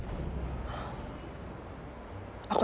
aku sedih tau gak sih kak